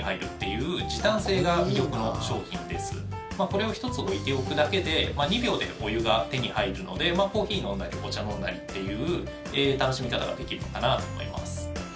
これを１つ置いておくだけで２秒でお湯が手に入るのでコーヒー飲んだりお茶飲んだりという楽しみ方ができるのかなと思います。